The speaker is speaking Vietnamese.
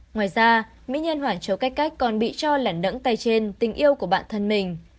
ngoài ra mỹ nhân hoảng chấu cách cách còn bị cho là nẫn tay trên tình yêu của bản thân mình